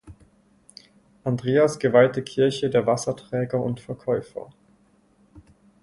Andreas geweihte Kirche der Wasserträger und -verkäufer.